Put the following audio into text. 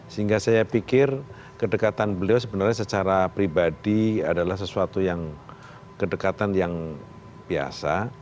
sehingga saya pikir kedekatan beliau sebenarnya secara pribadi adalah sesuatu yang kedekatan yang biasa